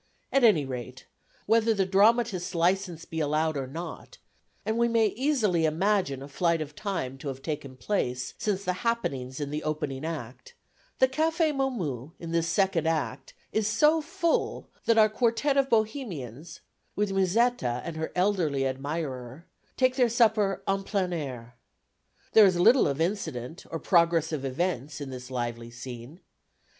At any rate, whether the dramatist's license be allowed or not and we may easily imagine a flight of time to have taken place since the happenings in the opening Act the café Momus, in this second Act, is so full that our quartet of Bohemians, with Musetta and her elderly admirer, take their supper en plein air. There is little of incident, or progress of events, in this lively scene.